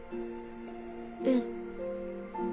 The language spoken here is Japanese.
うん。